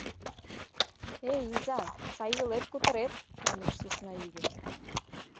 — Эй, изай, сай илет-кутырет! — манеш сӧснаиге.